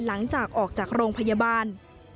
หลังจากออกจากโรงพยาบาล